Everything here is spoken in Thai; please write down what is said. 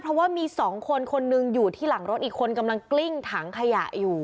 เพราะว่ามีสองคนคนหนึ่งอยู่ที่หลังรถอีกคนกำลังกลิ้งถังขยะอยู่